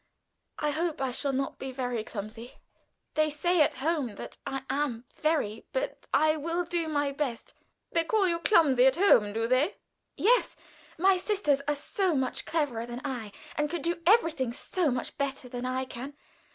I hope I shall not be very clumsy. They say at home that I am, very, but I will do my best." "They call you clumsy at home, do they?" "Yes. My sisters are so much cleverer than I, and can do everything so much better than I can.